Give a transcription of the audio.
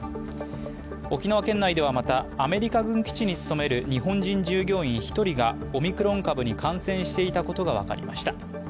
沖縄県内ではまた、アメリカ軍基地に勤める日本人従業員１人がオミクロン株に感染していたことが分かりました。